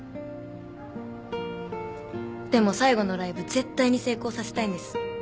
でも最後のライブ絶対に成功させたいんです。